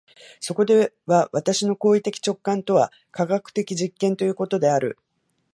そこでは私の行為的直観とは科学的実験ということである。